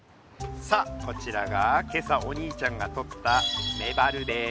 さあこちらが今朝お兄ちゃんがとったメバルです。